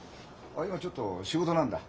今ちょっと仕事なんだ。